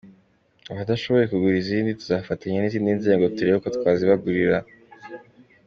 Abadashoboye kugura izindi tuzafatanya n’izindi nzego turebe uko twazibagurira.